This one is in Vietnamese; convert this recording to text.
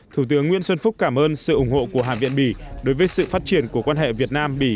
thủ tướng nguyễn xuân phúc cảm ơn sự ủng hộ của hạ viện bỉ đối với sự phát triển của quan hệ việt nam bỉ